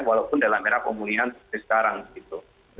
walaupun dalam era pemulihan seperti sekarang gitu